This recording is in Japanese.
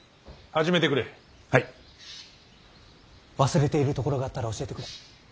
忘れているところがあったら教えてくれ。